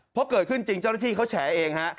เพราะเกิดขึ้นจริงเจ้าหน้าที่เขาแฉเองฮะ